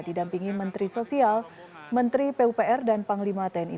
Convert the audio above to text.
didampingi menteri sosial menteri pupr dan panglima tni